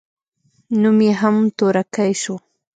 نوم يې هم تورکى سو.